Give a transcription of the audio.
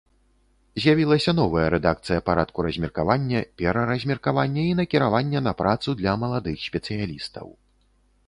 З'явілася новая рэдакцыя парадку размеркавання, пераразмеркавання і накіравання на працу для маладых спецыялістаў.